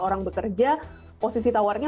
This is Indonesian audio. orang bekerja posisi tawarnya